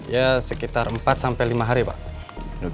ya sekitar empat sampai lima hari pak